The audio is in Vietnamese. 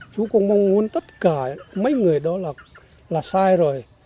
chú cũng mong muốn tất cả mấy người đó là sai rồi